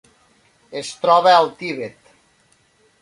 Es troba al Tibet.